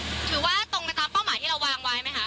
ถือว่าตรงไปตามเป้าหมายที่เราวางไว้ไหมคะ